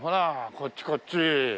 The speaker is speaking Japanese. こっちこっち。